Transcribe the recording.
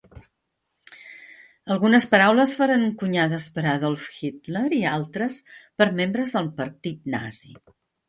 Algunes paraules foren encunyades per Adolf Hitler i altres per membres del partit nazi.